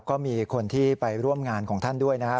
ก็มีคนที่ไปร่วมงานของท่านด้วยนะครับ